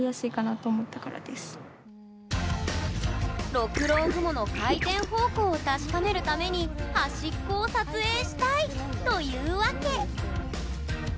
六郎雲の回転方向を確かめるために端っこを撮影したいというわけ。